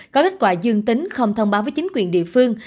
có kết quả dương tính không thông báo với chính quyền địa phương